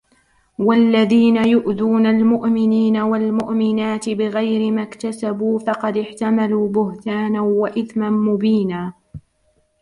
والذين يؤذون المؤمنين والمؤمنات بغير ما اكتسبوا فقد احتملوا بهتانا وإثما مبينا